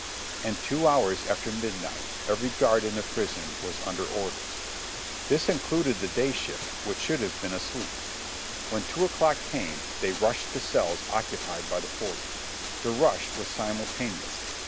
And two hours after midnight every guard in the prison was under orders. This included the day shift which should have been asleep. When two o'clock came, they rushed the cells occupied by the forty. The rush was simultaneous.